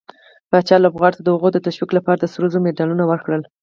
پاچا لوبغارو ته د هغوي د تشويق لپاره د سروزرو مډالونه ورکړل.